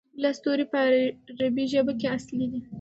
لس توري په عربي ژبه کې اصلي دي.